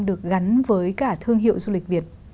được gắn với cả thương hiệu du lịch việt